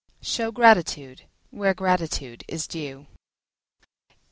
Show gratitude where gratitude is due.